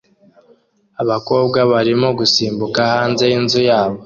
abakobwa barimo gusimbuka hanze yinzu yabo